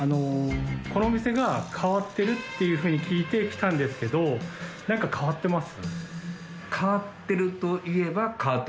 このお店が変わってるっていうふうに聞いて来たんですけど変わってる？